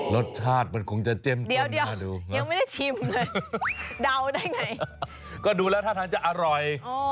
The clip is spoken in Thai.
รสชาติมันคงจะเจ็มยังไม่ได้ชิมเลยเดาได้ไงก็ดูแล้วท่าทางจะอร่อย